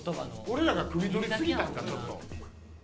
俺らがくみ取りすぎたんかちょっと。